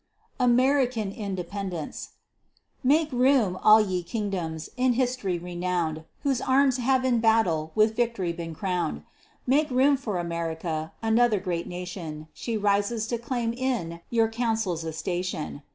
AMERICAN INDEPENDENCE Make room, all ye kingdoms, in history renown'd, Whose arms have in battle with victory been crown'd, Make room for America, another great nation; She rises to claim in your councils a station.